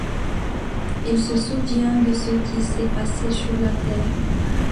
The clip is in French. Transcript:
Il se souvient de ce qui s'est passé sur la Terre.